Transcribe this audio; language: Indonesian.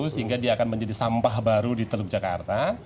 sehingga dia akan menjadi sampah baru di teluk jakarta